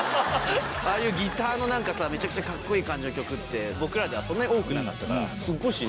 ああいうギターのめちゃくちゃかっこいい感じの曲って、僕らではそんなに多くなかったか